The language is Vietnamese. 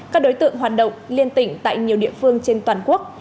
các đối tượng hoạt động liên tỉnh tại nhiều địa phương trên toàn quốc